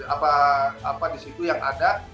apa apa disitu yang ada